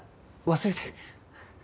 忘れて。